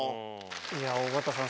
いや尾形さん